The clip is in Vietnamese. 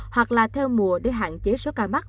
hoặc là theo mùa để hạn chế số ca mắc